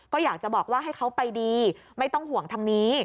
ก็อยากจะบอกว่าให้เขาไปดีไม่ต้องห่วงทางนี้